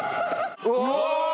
うわ！